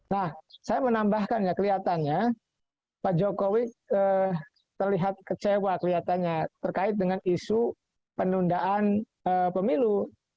nah saya menambahkan ya kelihatannya pak jokowi terlihat kecewa kelihatannya terkait dengan isu penundaan pemilu